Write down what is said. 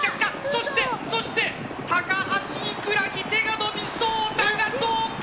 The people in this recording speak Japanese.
そして、そして高橋いくらに手が伸びそうだがどうだ。